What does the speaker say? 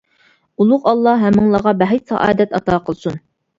ئۇلۇغ ئاللا ھەممىڭلارغا بەخت-سائادەت ئاتا قىلسۇن!